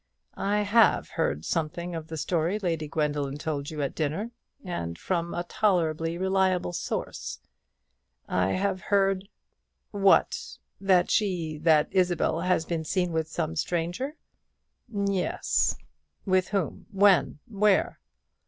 I have heard something of the story Lady Gwendoline told you at dinner; and from a tolerably reliable source. I have heard " "What? That she that Isabel has been seen with some stranger?" "Yes." "With whom? when? where?"